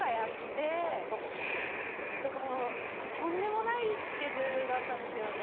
そんな時期。とか、とんでもないスケジュールだったんですよね。